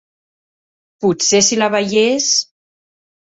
Potser si la veiés...